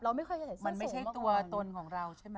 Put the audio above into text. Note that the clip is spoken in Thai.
มันไม่ใช่ตัวตนของเราใช่มั้ย